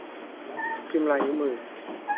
พิมพ์ลายนิ้วมือ